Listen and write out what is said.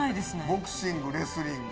ボクシングレスリング。